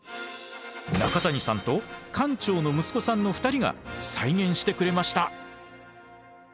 中谷さんと館長の息子さんの２人が再現してくれました！